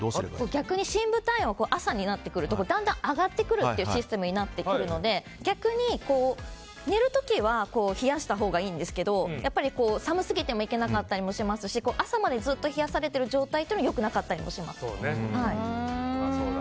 逆に深部体温は朝になってくるとだんだん上がってくるというシステムになっているので逆に、寝る時は冷やしたほうがいいんですけど寒すぎてもいけなかったりもしますし朝までずっと冷やされている状態は良くなかったりもします。